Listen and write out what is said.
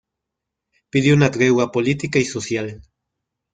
Pidió una tregua política y social.